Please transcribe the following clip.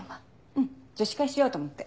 うん女子会しようと思って。